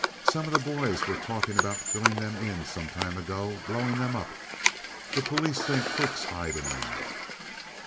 Some of the boys were talking about filling them in some time ago—blowing them up. The police think crooks hide in them."